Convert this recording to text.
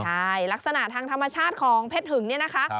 ใช่ลักษณะทางธรรมชาติของเพชรหึงเนี่ยนะคะ